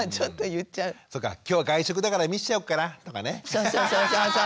そうそうそうそう。